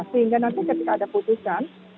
sehingga nanti ketika ada putusan